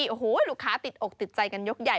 โอ้โหลูกค้าติดอกติดใจกันยกใหญ่